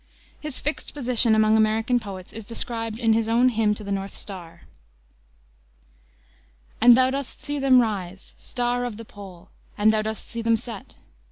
His fixed position among American poets is described in his own Hymn to the North Star: "And thou dost see them rise, Star of the pole! and thou dost see them set.